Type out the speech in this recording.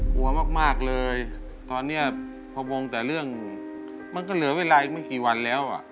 กลัวมากเลยตอนนี้พอวงแต่เรื่องมันก็เหลือเวลาอีกไม่กี่วันแล้วอ่ะ